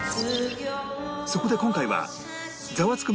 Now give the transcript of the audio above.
そこで今回はザワつく！